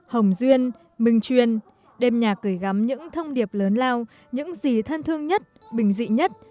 hồng duyên minh chuyên đêm nhạc cười gắm những thông điệp lớn lao những gì thân thương nhất bình dị nhất